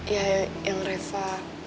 ya yang reva